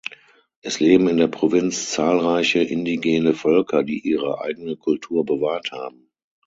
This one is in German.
Es leben in der Provinz zahlreiche indigene Völker, die ihre eigene Kultur bewahrt haben.